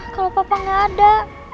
kalau papa gak ada